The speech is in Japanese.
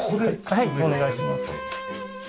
はいお願いします。